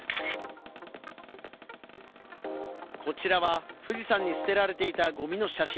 こちらは富士山に捨てられていたゴミの写真。